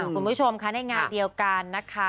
คุณผู้ชมค่ะในงานเดียวกันนะคะ